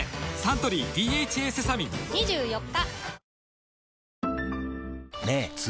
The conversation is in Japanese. サントリー「ＤＨＡセサミン」２４日！